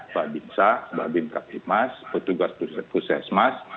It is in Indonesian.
pak bimsa pak bimka pimas petugas pusat pusat semas